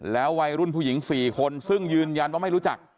วัยรุ่นผู้หญิง๔คนซึ่งยืนยันว่าไม่รู้จัก